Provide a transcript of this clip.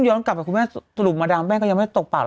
อันคารที่ผ่านมานี่เองไม่กี่วันนี่เอง